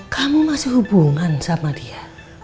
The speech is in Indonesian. kamu masih hubungan sama dia